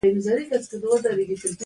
کولای شي په مستقل ډول عمل وکړي.